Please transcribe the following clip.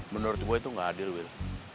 menurut gue itu nggak adil wil